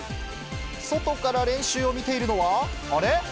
外から練習を見ているのは、あれ？